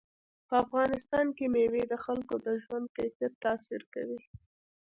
په افغانستان کې مېوې د خلکو د ژوند کیفیت تاثیر کوي.